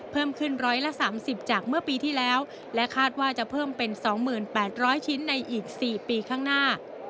เพิ่มขึ้น๑๓๐จากเมื่อปีที่แล้วและคาดว่าจะเพิ่มเป็น๒๘๐๐ชิ้นในอีก๔ปีข้างหน้า